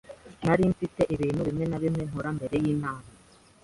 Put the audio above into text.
Nari mfite ibintu bimwe na bimwe nkora mbere yinama.